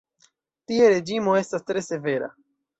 Tie reĝimo estas tre severa.